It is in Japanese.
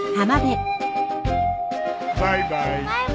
バイバイ。